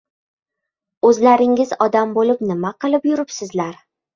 O‘zlaringiz odam bo‘lib nima qilib yuribsizlar?!